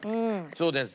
そうですね。